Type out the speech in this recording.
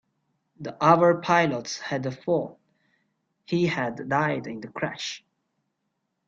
The other pilots had thought he had died in the crash.